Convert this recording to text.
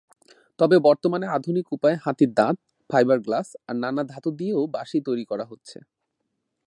তবে বর্তমানে আধুনিক উপায়ে হাতির দাঁত, ফাইবার গ্লাস আর নানা ধাতু দিয়েও বাঁশি তৈরি করা হচ্ছে।